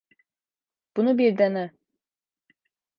Bunu bir dene.